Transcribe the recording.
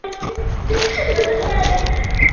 দলে তিনি মূলতঃ অল-রাউন্ডার হিসেবে খেলতেন।